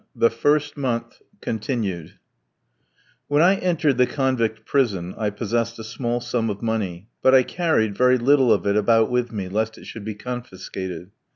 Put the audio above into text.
THE FIRST MONTH (continued) When I entered the convict prison I possessed a small sum of money; but I carried very little of it about with me, lest it should be confiscated.